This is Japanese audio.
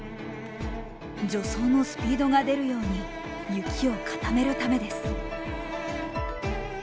助走のスピードが出るように雪を固めるためです。